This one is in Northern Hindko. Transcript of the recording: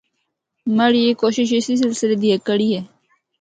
مڑی اے کوشش اسی سلسلے دی ہک کڑی ہے۔